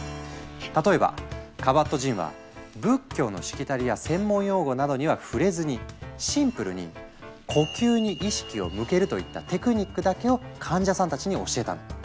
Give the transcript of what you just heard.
例えばカバットジンは仏教のしきたりや専門用語などには触れずにシンプルに「呼吸に意識を向ける」といった「テクニック」だけを患者さんたちに教えたの。